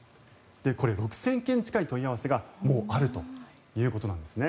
これ、６０００件近い問い合わせがもうあるということなんですね。